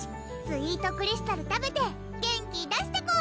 「スイートクリスタル」食べて元気出してこ！